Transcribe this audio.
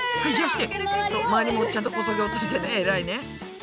周りもちゃんとこそげ落としてね偉いね。